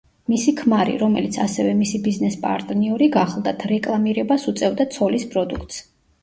მისი ქმარი, რომელიც ასევე მისი ბიზნეს პარტნიორი გახლდათ, რეკლამირებას უწევდა ცოლის პროდუქტს.